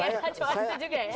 oke cuma itu juga ya